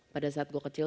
pada saat gue kecil